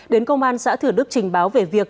đến công an xã thừa đức trình báo về việc